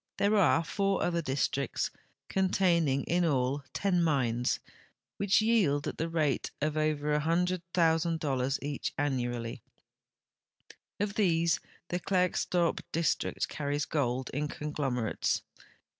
There are four other districts, contain ing in all ten mines, which yield at the rate of over 8100,000 each annually. Of these the Klerksdorp district carries gold in conglomerates.